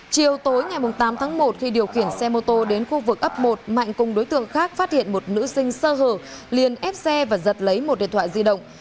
chiều tối ngày tám tháng một khi điều khiển xe mô tô đến khu vực ấp một mạnh cùng đối tượng khác phát hiện một nữ sinh sơ hở liền ép xe và giật lấy một điện thoại di động